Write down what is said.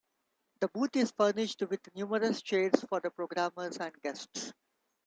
The booth is furnished with numerous chairs for the programmers and guests.